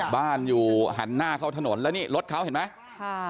บ้านอยู่หันหน้าเข้าถนนแล้วนี่รถเขาเห็นไหมค่ะ